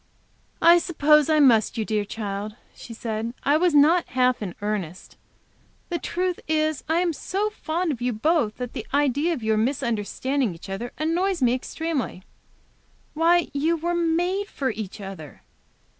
"I suppose I must, you dear child," she said. "I was not half in earnest. The truth is I am so fond of you both that the idea of your misunderstanding each other annoys me extremely. Why, you were made for each other.